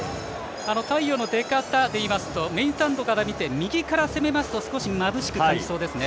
太陽の出かたでいいますとメインスタンドから見て右から攻めますと少し、まぶしく感じそうですね。